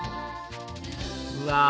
うわ